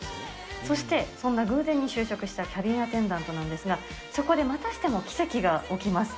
そしてそんな偶然に就職したキャビンアテンダントなんですが、そこでまたしても奇跡が起きます。